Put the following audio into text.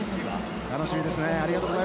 楽しみです。